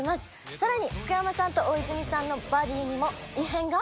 さらに福山さんと大泉さんのバディにも異変が？